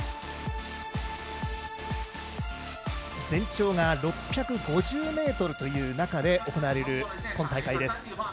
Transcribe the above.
全長が６５０ｍという中で行われる今大会です。